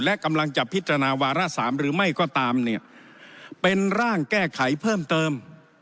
และกำลังจะพิจารณาวาระสามหรือไม่ก็ตามเนี่ยเป็นร่างแก้ไขเพิ่มเติม